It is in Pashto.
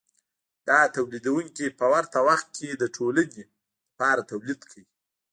دا تولیدونکي په ورته وخت کې د ټولنې لپاره تولید کوي